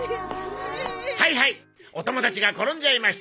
はいはいお友達が転んじゃいました。